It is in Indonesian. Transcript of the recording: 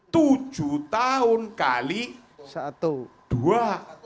tujuh tahun kali dua